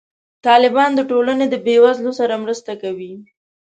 طالبان د ټولنې د بې وزلو سره مرسته کوي.